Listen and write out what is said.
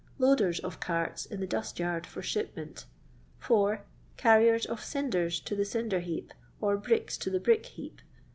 Loiden of carts in the dust yard for ship 4. Cvrrien of cinders to the dnder heap, or bricks to the brick heap.